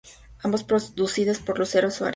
Ambas producidas por Lucero Suárez.